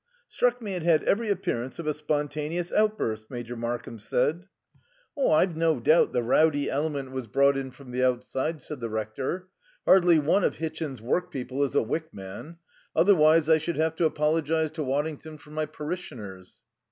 "Struck me it had every appearance of a spontaneous outburst," Major Markham said. "I've no doubt the rowdy element was brought in from the outside," said the Rector. "Hardly one of Hitchin's workpeople is a Wyck man. Otherwise I should have to apologize to Waddington for my parishioners."